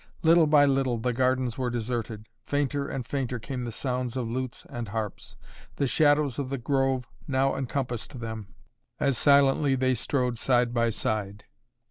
Little by little the gardens were deserted. Fainter and fainter came the sounds of lutes and harps. The shadows of the grove now encompassed them, as silently they strode side by side.